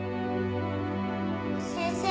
先生。